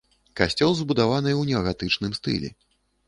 Касцёл збудаваны ў неагатычным стылі.